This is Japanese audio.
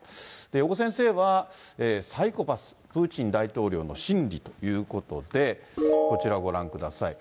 余語先生は、サイコパス、プーチン大統領の心理ということで、こちらご覧ください。